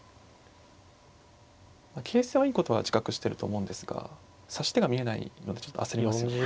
形勢はいいことは自覚してると思うんですが指し手が見えないのでちょっと焦りますよね。